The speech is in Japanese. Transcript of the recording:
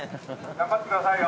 頑張ってくださいよ。